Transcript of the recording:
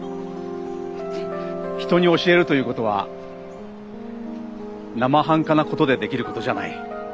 人に教えるということはなまはんかなことでできることじゃない。